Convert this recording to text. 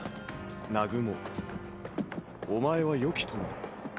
南雲お前はよき友だ。